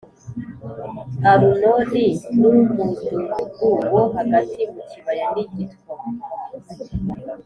Arunoni n umudugudu wo hagati mu kibaya n igitwa